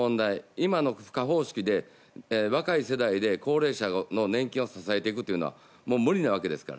今の賦課方式で若い世代で高齢者の年金を支えていくのはもう無理なわけですから。